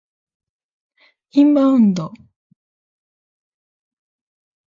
インバウンド